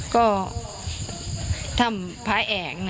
ก็ทำพายแอง